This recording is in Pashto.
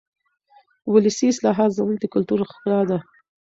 ولسي اصطلاحات زموږ د کلتور ښکلا ده.